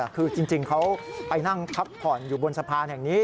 คือจริงเขาไปนั่งพักผ่อนอยู่บนสะพานแห่งนี้